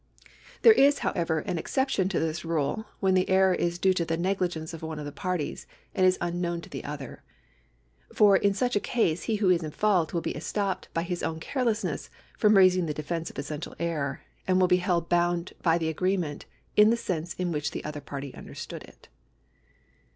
^ There is, however, an exception to this rule when the error is due to the negligence of one of the parties and is unknown to the other. Eor in such a case he who is in fault will be estopped by his own carelessness from raising the defence of essential error, and will be held bound by the agreement in the sense in Avliich the other party understood it.